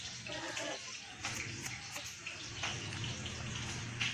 Namba tisa ni Farenc PuskasAnatajwa kama mshambuliaji wa kuogopwa kuwahi kutokea